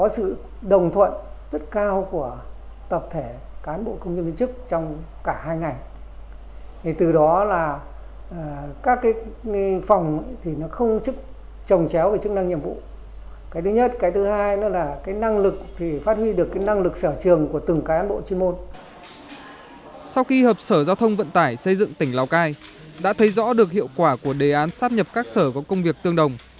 sau khi hợp nhất sở giao thông vận tải xây dựng tỉnh lào cai đã thấy rõ được hiệu quả của đề án sáp nhập các sở có công việc tương đồng